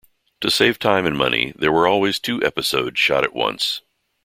To save time and money, there were always two episodes shot at once.